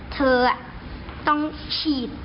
เธออ่ะต้องฉีด